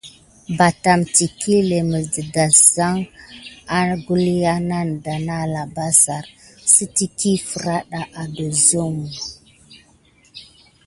Batam iŋkle mis ɗeɗa nane ogluhana na arabasare sitiki feranda a dosohi.